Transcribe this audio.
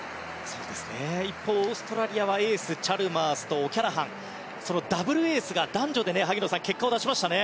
一方、オーストラリアエース、チャルマースとオキャラハンダブルエースが男女で萩野さん、結果を出しましたね。